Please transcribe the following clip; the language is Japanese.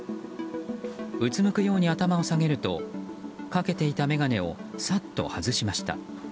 うつむくように頭を下げるとかけていた眼鏡をさっと外しました。